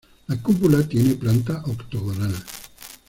La cúpula tiene planta octogonal.